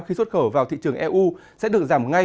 khi xuất khẩu vào thị trường eu sẽ được giảm ngay